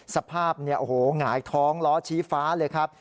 สภาพหงายท้องล้อชี้ฟ้าเลยครับ